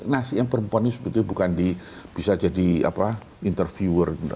nasi yang perempuan ini sebetulnya bukan bisa jadi interviewer